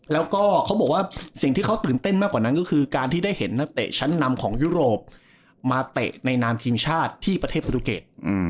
แล้วก็เขาบอกว่าสิ่งที่เขาตื่นเต้นมากกว่านั้นก็คือการที่ได้เห็นนักเตะชั้นนำของยุโรปมาเตะในนามทีมชาติที่ประเทศประตูเกต